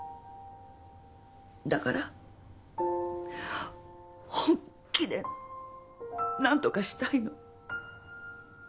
だから本気で何とかしたいの。